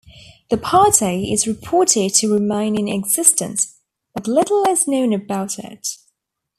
The party is reported to remain in existence, but little is known about it.